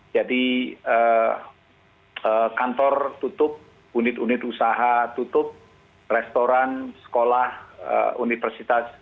jadi kantor tutup unit unit usaha tutup restoran sekolah universitas tutup